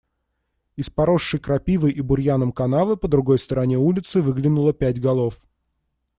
Из поросшей крапивой и бурьяном канавы по другой стороне улицы выглянуло пять голов.